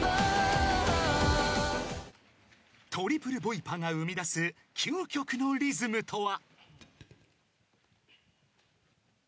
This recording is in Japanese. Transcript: ［トリプルボイパが生みだす究極のリズムとは］